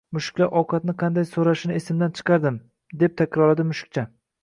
Mushuklar ovqatni qanday soʻrashini esimdan chiqardim, deb takrorladi mushukcha